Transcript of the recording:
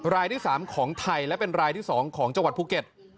รายที่๓ของไทยและเป็นรายที่๒ของจังหวัดภูเก็ต